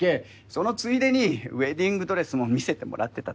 そのついでにウエディングドレスも見せてもらってただけ。